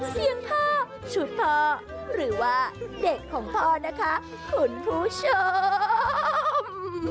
เสียงพ่อชุดพ่อหรือว่าเด็กของพ่อนะคะคุณผู้ชม